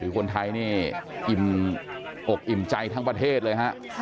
คนไทยออกอิ่มใจทั้งประเทศเลยครับ